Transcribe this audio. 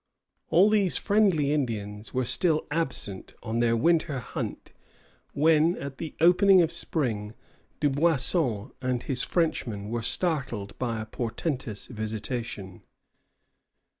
All these friendly Indians were still absent on their winter hunt, when, at the opening of spring, Dubuisson and his Frenchmen were startled by a portentous visitation.